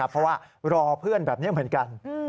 เพราะว่ารอเพื่อนแบบนี้เหมือนกัน